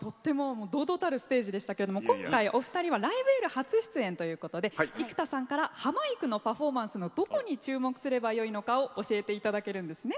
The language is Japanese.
堂々たるステージでしたけど今回お二人は「ライブ・エール」初出演ということで生田さんから、ハマいくのパフォーマンスのどこに注目すればいいのかを教えていただけるんですね。